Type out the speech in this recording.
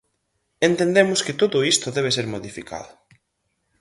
Entendemos que todo isto debe ser modificado.